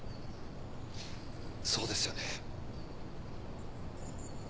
そうですよね。